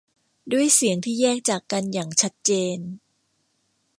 ด้วยเสียงที่แยกจากกันอย่างชัดเจน